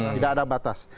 tidak ada batas